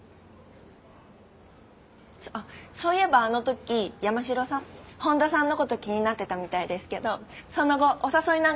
あっそういえばあの時山城さん本田さんのこと気になってたみたいですけどその後お誘いなんかは？